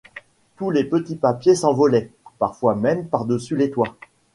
Tous les petits papiers s’envolaient, parfois même par dessus les toits.